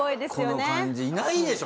この感じいないでしょ！